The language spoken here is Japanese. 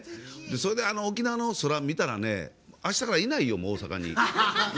それで沖縄の空を見たらあしたからいないよ、大阪に。